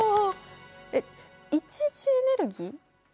えっ一次エネルギー？